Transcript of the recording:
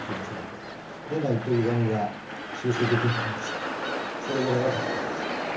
でないとゆがみが修正できないもんですからそれぐらいはかけたいです。